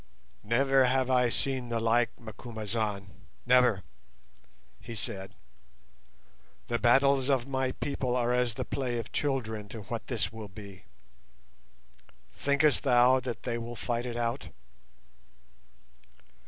"Never have I seen the like, Macumazahn, never," he said. "The battles of my people are as the play of children to what this will be. Thinkest thou that they will fight it out?"